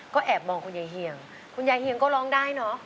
ก็แอบมองคุณยายเฮียงคุณยายเฮียงก็ร้องได้เนอะ